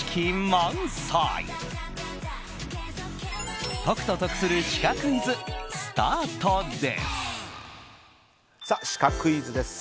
満載解くと得するシカクイズスタートです。